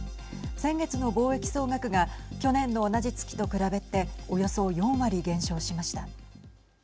先月の貿易総額が去年の同じ月と比べておよそ４割減少しました。